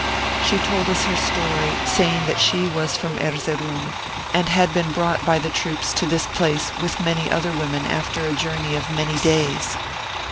She told us her story, saying that she was from Erzeroum, and had been brought by the troops to this place with many other women after a journey of many days.